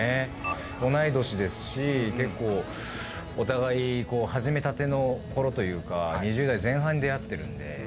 同い年ですし結構お互い始めたてのころというか２０代前半に出会ってるんで。